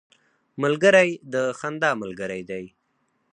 ملګری د خندا ملګری دی